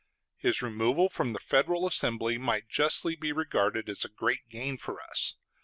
His removal from the federal assembly might justly be regarded as a great gain for us.